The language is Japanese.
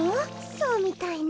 そうみたいね。